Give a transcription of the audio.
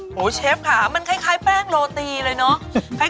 โอ้โฮเชฟขามันคล้ายแป้งโรตีเลยเนอะ